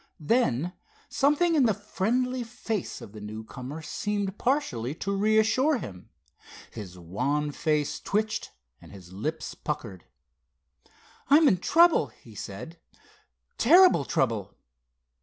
Then, something in the friendly face of the newcomer seemed partially to reassure him. His wan face twitched and his lips puckered. "I'm in trouble," he said—"terrible trouble."